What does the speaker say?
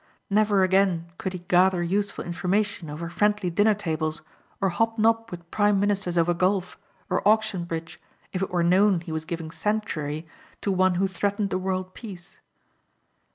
Never again could he gather useful information over friendly dinner tables or hobnob with prime ministers over golf or auction bridge if it were known he was giving sanctuary to one who threatened the world peace.